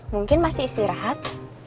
mungkin masih istirahat